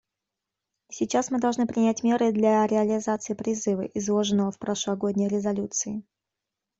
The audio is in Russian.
Сейчас мы должны принять меры для реализации призыва, изложенного в прошлогодней резолюции: